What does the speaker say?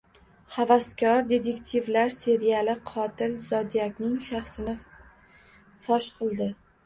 Havaskor detektivlar seriyali qotil Zodiakning shaxsini fosh qildi